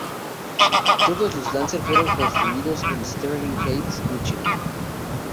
Todos los Lancer fueron construidos en Sterling Heights, Michigan.